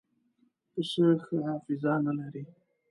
پسه ښه حافظه نه لري.